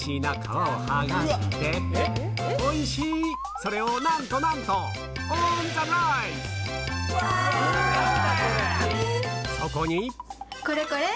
それをなんとなんとそこにこれこれ。